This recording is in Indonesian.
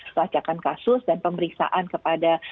pelacakan kasus dan pemeriksaan kepada